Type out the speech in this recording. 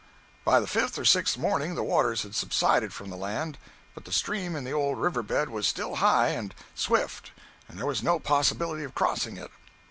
By the fifth or sixth morning the waters had subsided from the land, but the stream in the old river bed was still high and swift and there was no possibility of crossing it.